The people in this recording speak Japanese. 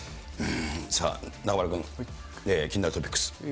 さあ、中丸君、気になるトピックス。